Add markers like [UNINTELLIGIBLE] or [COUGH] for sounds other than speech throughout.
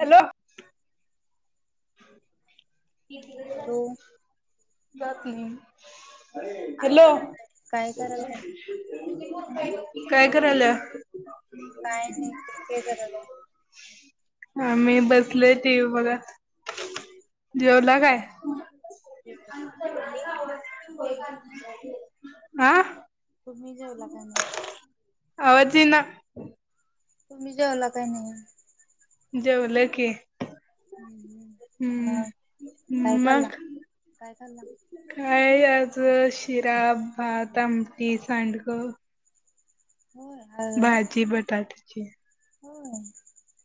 Hello. आलो. [INAUDIBLE] नाही. Hello! काय करायलाय काय करायल्याय? [INAUDIBLE] काय नाही तुम्ही काय करायलाय? आ मी बसले टी वी बघत. जेवला काय तुम्ही आं? तुम्ही जेवला का नाही? आवाज येईना तुम्ही जेवला का नाही? जेवलो की हम्म. हम् मग काय खाल्ला मग. काय खाल्ला काय आज शिरा भात आमटी सांडगं. होय भाजी बटाटेची. व्हय.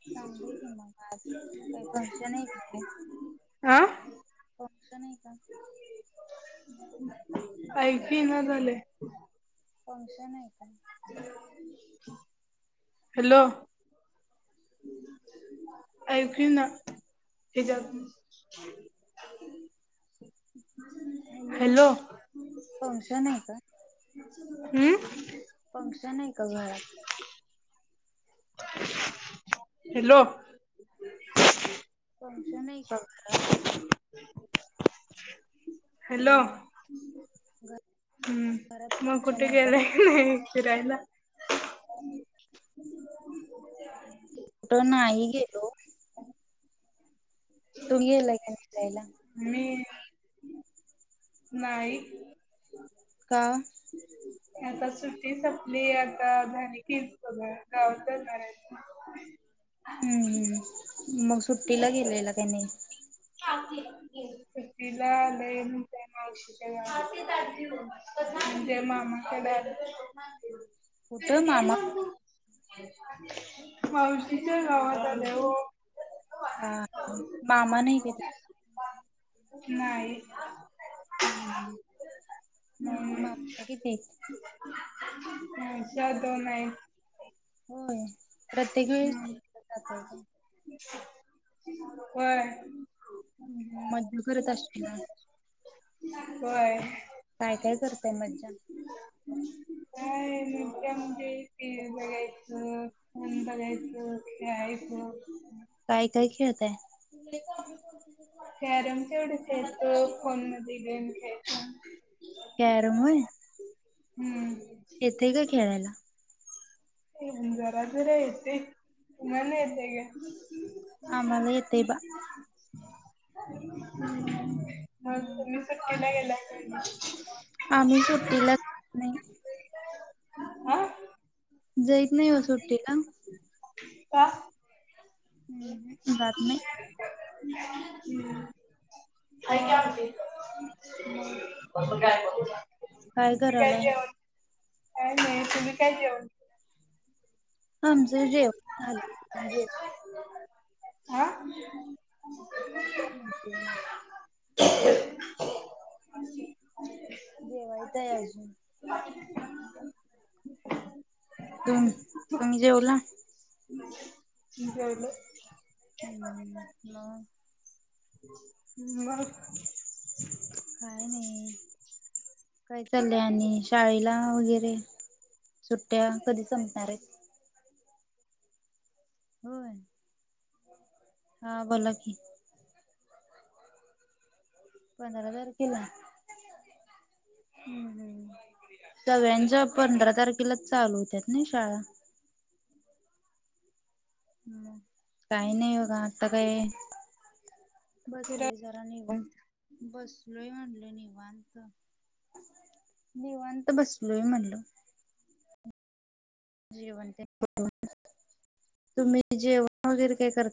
चांगलय की मग आज काही फंक्शन आहे का काय? आ नाही का? ऐकु ईना झालय. फंक्शन आहे का? [INAUDIBLE] हॅलो! [INAUDIBLE] ऐकू ईना हिज्यातून [INAUDIBLE] हॅलो फंक्शन आहे का? हम्म फंक्शन आहे का घरात? हॅलो! फंशन आहे का घरात? हॅलो! घरा हम्म मग कुठे गेले की नाही? फिरायला? कुठं नाही गेलो. [INAUDIBLE] तुमी गेलाय का फिरायला? मी नाही. का? आता सुट्टी सपली आता झाली कि गावात करायचं. हम्म हम्म मग सुट्टीला गेलेला का नाही? तीला आलंय त्या मावशीच्या गाव म्हणजे मामा च्या गाव कुठं दे मामा ना गूळ. मावशीच्या गावात आल्या हो. हा मामा नाही गेले. नाही हा. हम्म. मग मग कितीच. ह्यांच्या दोन आहे. होय. प्रत्येक वेळीस जातय काय होय. मज्ज करत असशिल ना? होय. काय करताय मज्जा? काय त्या म्हणजे ते बघायच. बघायचं खेळायचं. काय काय खेळताय? कॅरम तेवढ खेळतो फोन मध्ये गेम खेळच. हम्म. येते का खेळायला. ए जरा जरा येतय. म्हणलं येतय ग. आम्हाला येतय बा. ह ब तुम्ही सुट्टीला गेला. आम्ही सुट्टीला जात नाही. आह, जईत नाही व सुट्टी ला? का. हम ह. क [UNINTELLIGIBLE] ठेवलं [INAUDIBLE] का काय मग काय [INAUDIBLE] का काय नाही करायलाय? तुम्ही काय जेवण केला आम जजेण हा जेवयतायज तु तुम्ही जेवला ले हम्म ल म काय नाही काय चाललं आणि शाळेला वगैरे सुट्ट्या कधी संपणार आहे होय हा बोला की पंधरा तारखेला सगळ्यांच्या पंधरा तारखेलाच चालू होत्यात ना शाळा काही नाही बघ आता काय बस फिराय व जरा निघ बसलोही म्हणल निवांत निवांत बसलोही म्हणल जेवण तेन करून तुम्ही जेवण वगैरे काय करता